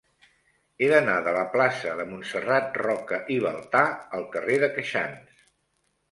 He d'anar de la plaça de Montserrat Roca i Baltà al carrer de Queixans.